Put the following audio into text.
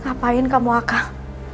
ngapain kamu akang